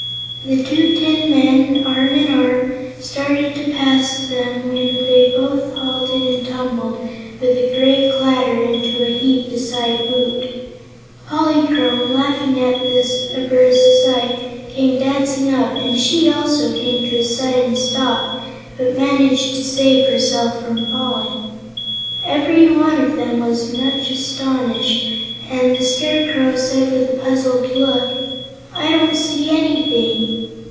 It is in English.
The two tin men, arm in arm, started to pass them when both halted and tumbled, with a great clatter, into a heap beside Woot. Polychrome, laughing at the absurd sight, came dancing up and she, also, came to a sudden stop, but managed to save herself from falling. Everyone of them was much astonished, and the Scarecrow said with a puzzled look: "I don't see anything."